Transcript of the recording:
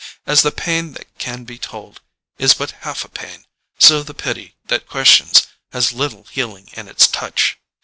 As the pain that can be told is but half a pain, so the pity that questions has little healing in its touch.